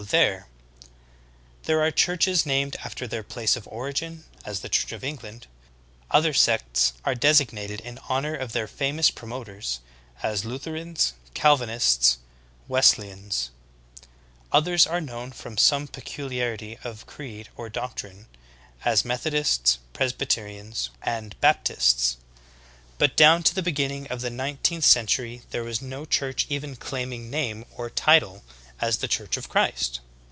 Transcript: There are churches named after their place of origin — as the Church of England ; other sects are designated in honor of their famous promoters — as Lu therans, Calvinists, Wesleyans ; others are known from some peculiarity of creed or doctrine — as Methodists, Presbyter ians, and Baptists; but down to the beginning of the nine teenth century there was no church even claiming name or title as the Church of Christ.